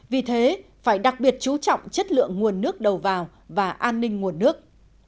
vì thế phải đặc biệt chú trọng chất lượng nguồn nước đầu vào và an ninh nguồn nước